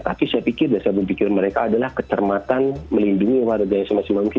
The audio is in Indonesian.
tapi saya pikir dan saya berpikir mereka adalah ketermatan melindungi warga yang semestinya mungkin